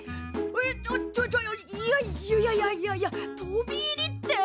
えっちょっちょっいやいやいやいやいや飛び入りって。